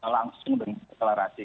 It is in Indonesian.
langsung dengan deklarasi